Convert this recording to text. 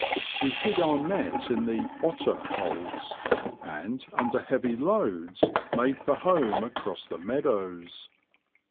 We hid our net in the '' otter " holes, and, under heavy loads, made for home across the meadows.